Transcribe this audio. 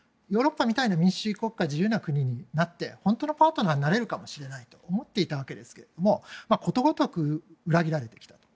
ヨーロッパみたいな民主主義国家自由な国になって本当のパートナーみたいになれるかもしれないと思っていたわけですがことごとく裏切られてきた。